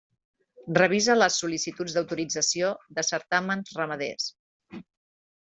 Revisa les sol·licituds d'autorització de certàmens ramaders.